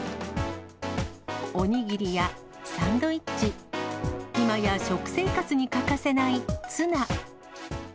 お握りやサンドイッチ、今や食生活に欠かせないツナ。